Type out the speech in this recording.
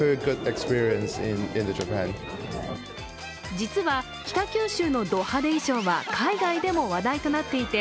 実は北九州のド派手衣装は海外でも話題になっていて。